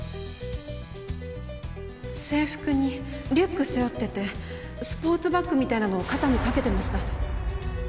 制服にリュック背負っててスポーツバッグみたいなのを肩に掛けてました。